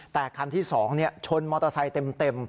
แต่คันที่๒ชนมอเตอร์ไซค์เต็ม